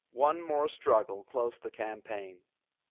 One more struggle closed the campaign.